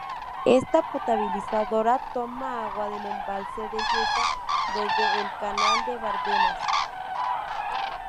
Esta potabilizadora toma agua del Embalse de Yesa desde el Canal de Bardenas.